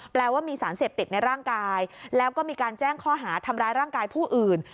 แปลว่ามีสารเสพติดในร่างกายแล้วก็มีการแจ้งข้อหาทำร้ายร่างกายผู้อื่น